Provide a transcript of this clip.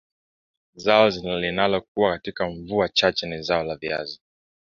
Zao linalokua katika mvua chache ni zao la viazi